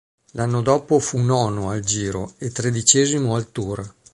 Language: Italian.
L'anno dopo fu nono al Giro e tredicesimo al Tour.